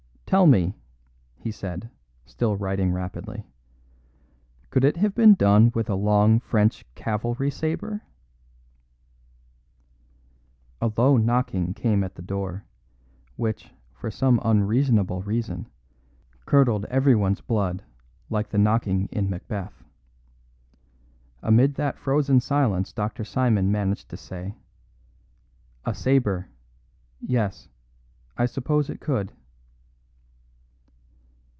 "Tell me," he said, still writing rapidly, "could it have been done with a long French cavalry sabre?" A low knocking came at the door, which, for some unreasonable reason, curdled everyone's blood like the knocking in Macbeth. Amid that frozen silence Dr. Simon managed to say: "A sabre yes, I suppose it could."